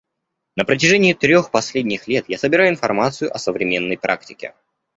На протяжении трех последних лет я собираю информацию о современной практике.